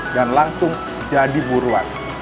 dan langsung jadi buruan